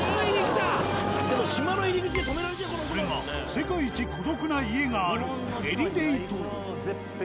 これが世界一孤独な家があるエリデイ島。